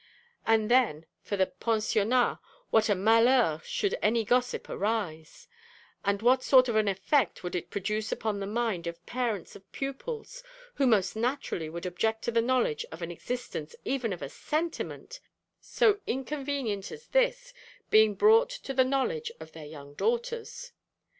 And then for the Pensionnat, what a 'malheur' should any gossip arise: and what sort of an effect would it produce upon the mind of parents of pupils, who most naturally would object to the knowledge of the existence even of a sentiment so inconvenient as this being brought to the knowledge of their young daughters?